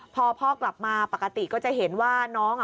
พอพ่อกลับมาปกติก็จะเห็นว่าน้อง